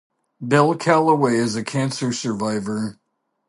Bell Calloway is cancer survivor.